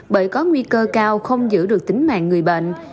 bởi có nguy cơ cao không giữ được tính mạng người bệnh